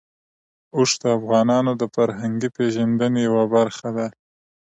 اوښ د افغانانو د فرهنګي پیژندنې یوه برخه ده.